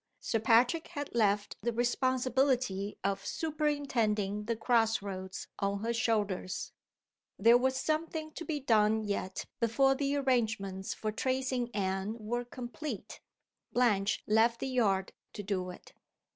Sir Patrick had left the responsibility of superintending the crossroads on her shoulders. There was something to be done yet before the arrangements for tracing Anne were complete. Blanche left the yard to do it.